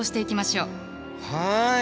はい。